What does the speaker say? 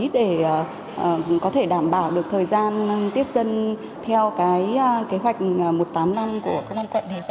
để có thể đảm bảo được thời gian tiếp dân theo cái kế hoạch một mươi tám năm của công an quận